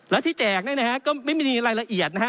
และที่แจกนี่นะฮะก็ไม่มีอะไรละเอียดนะฮะ